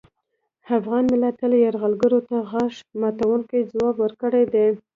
افغان ملت تل یرغلګرو ته غاښ ماتوونکی ځواب ورکړی دی